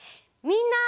みんな！